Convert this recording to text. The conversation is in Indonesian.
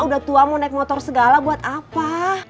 udah tua mau naik motor segala buat apa